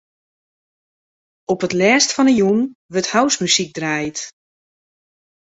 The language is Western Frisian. Op it lêst fan 'e jûn wurdt housemuzyk draaid.